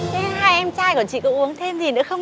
thế hai em trai của chị có uống thêm gì nữa không